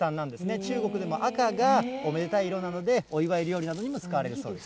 中国でも赤がおめでたい色なので、お祝い料理などにも使われるそうです。